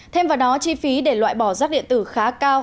thêm vào đó chi phí để loại bỏ rác điện tử khá cao